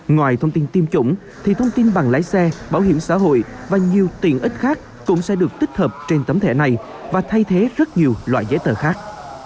ngoài thông tin tiêm chủng thì thông tin bằng lái xe bảo hiểm xã hội và nhiều tiền ích khác cũng sẽ được tích hợp trên tấm thẻ này và thay thế rất nhiều loại giấy tờ khác